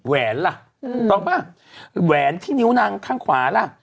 แหนล่ะต้องป่ะแหวนที่นิ้วนางข้างขวาล่ะ